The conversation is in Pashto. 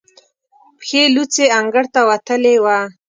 پښې لوڅې انګړ ته وتلې وه.